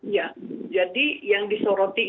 ya jadi yang disoroti